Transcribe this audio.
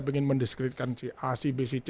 pengen mendeskripsikan si a si b si c